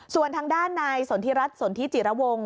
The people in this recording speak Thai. ส่วนทางด้านนายสนทิรัฐสนทิจิระวง